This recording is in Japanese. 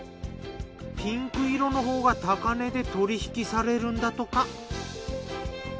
ピンク色のほうが高値で取引されるんだとか。